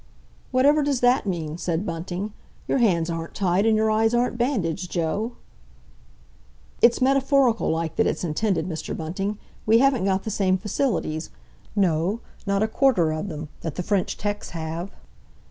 '" "Whatever does that mean?" said Bunting. "Your hands aren't tied, and your eyes aren't bandaged, Joe?" "It's metaphorical like that it's intended, Mr. Bunting. We haven't got the same facilities—no, not a quarter of them—that the French 'tecs have."